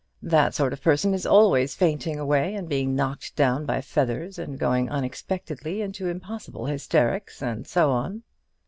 That sort of person is always fainting away, and being knocked down by feathers, and going unexpectedly into impossible hysterics; and so on."